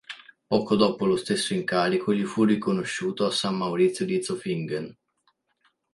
Poco dopo lo stesso incarico gli fu riconosciuto a San Maurizio di Zofingen.